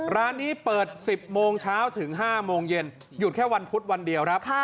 ร้านนี้เปิด๑๐โมงเช้าถึง๕โมงเย็นหยุดแค่วันพุธวันเดียวครับ